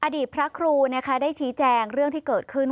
อดีตพระครูได้ชี้แจงเรื่องที่เกิดขึ้น